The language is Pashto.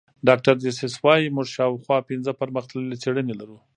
ډاکټر ډسیس وايي موږ شاوخوا پنځه پرمختللې څېړنې لرو.